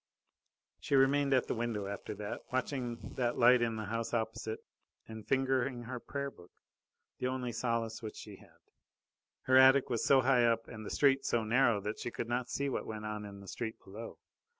She remained at the window after that, watching that light in the house opposite and fingering her prayer book, the only solace which she had. Her attic was so high up and the street so narrow, that she could not see what went on in the street below.